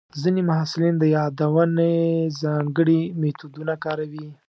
ځینې محصلین د یادونې ځانګړي میتودونه کاروي.